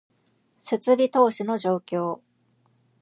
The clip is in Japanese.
設備投資の状況